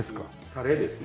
タレですね。